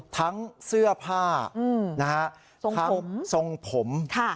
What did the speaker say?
ทั้งเสื้อผ้าทั้งทั้งทั้งทั้งส่งผม